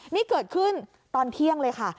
นี่เกิดขึ้นตอนเที่ยงเลยค่ะ